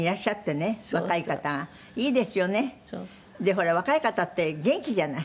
ほら若い方って元気じゃない？